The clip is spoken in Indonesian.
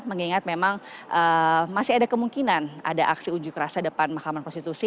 mengingat memang masih ada kemungkinan ada aksi unjuk rasa depan mahkamah konstitusi